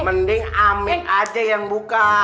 mending amit aja yang buka